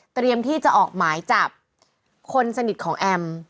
เตรียมที่จะออกหมายจับคนสนิทของแอม